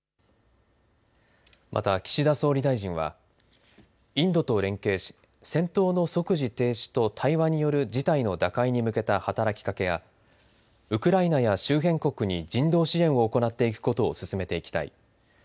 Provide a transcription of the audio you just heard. また岸田総理大臣はインドと連携し戦闘の即時停止と対話による事態の打開に向けた働きかけやウクライナや周辺国に人道支援を行っていくことを進めていきたい。